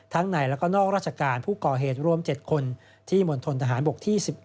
ในแล้วก็นอกราชการผู้ก่อเหตุรวม๗คนที่มณฑนทหารบกที่๑๑